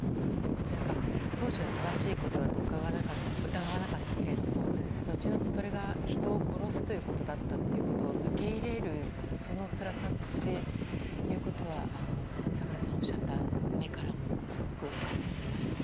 何か、当時は正しいことだと疑わなかったけれども後々、それが人を殺すということだったというのを受け入れるそのつらさっていうことは櫻井さんがおっしゃった目からも、すごく感じましたね。